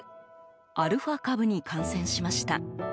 アルファ株に感染しました。